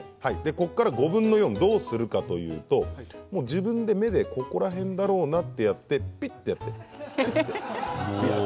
ここから５分の４をどうするかといいますと自分の目でこの辺だろうなと思ってぴっと。